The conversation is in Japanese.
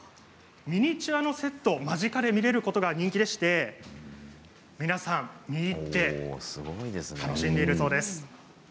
ミニチュアのセットを間近で見られるのが人気でして皆さん見入って楽しんでいるそうです。